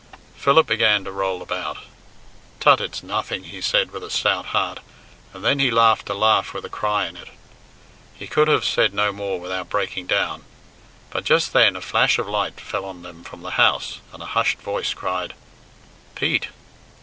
Philip began to roll about. "Tut, it's nothing," he said, with a stout heart, and then he laughed a laugh with a cry in it. He could have said no more without breaking down; but just then a flash of light fell on them from the house, and a hushed voice cried, "Pete!"